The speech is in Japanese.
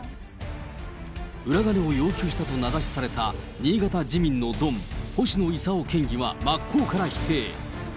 裏金を要求したと名指しされた新潟自民のドン、星野伊佐夫県議は、真っ向から否定。